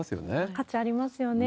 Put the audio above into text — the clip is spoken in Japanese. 価値ありますよね。